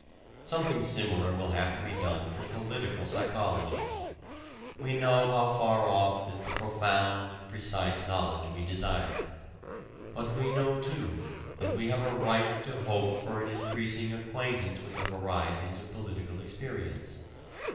Something similar will have to be done for political psychology. We know how far off is the profound and precise knowledge we desire. But we know too that we have a right to hope for an increasing acquaintance with the varieties of political experience.